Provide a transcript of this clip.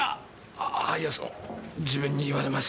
あいやその自分に言われましても。